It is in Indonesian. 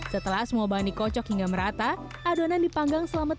setelah semua bahan dikocok hingga merata adonan dipanggang selama tiga puluh